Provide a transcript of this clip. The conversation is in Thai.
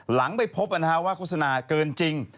หลังไปพบว่าโฆษณาเกินจริง